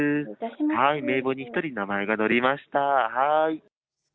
はい、名簿に１人、名前が載りました。